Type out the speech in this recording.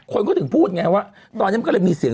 คนก็ถึงพูดไงว่าตอนนี้มันก็เลยมีเสียง